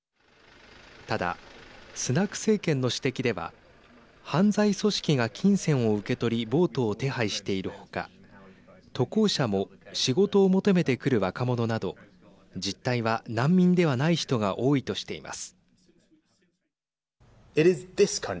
ただ、スナク政権の指摘では犯罪組織が金銭を受け取りボートを手配している他渡航者も仕事を求めてくる若者など実態は難民ではない人が多いとしています。